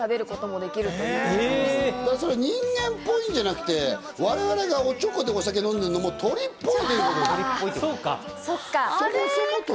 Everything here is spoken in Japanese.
人間っぽいんじゃなくて我々がおちょこでお酒を飲んでるのも鳥っぽいってこと。